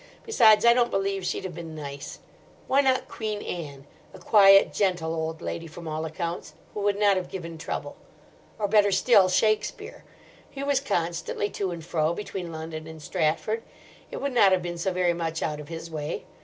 Besides, I don't believe she'd have been nice. Why not Queen Anne? A quiet, gentle old lady, from all accounts, who would not have given trouble. Or, better still, Shakespeare. He was constantly to and fro between London and Stratford. It would not have been so very much out of his way.